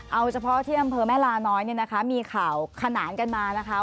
เอาเฉพาะที่อำเภอแม่ลาน้อยเนี่ยนะคะมีข่าวขนานกันมานะคะ